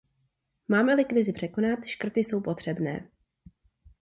Máme-li krizi překonat, škrty jsou potřebné.